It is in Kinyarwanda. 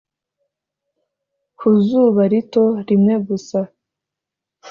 ku zuba rito rimwe gusa,